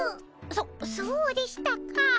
そそうでしたか。